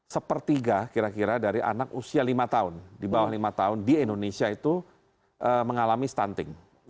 sepertiga kira kira dari anak usia lima tahun di bawah lima tahun di indonesia itu mengalami stunting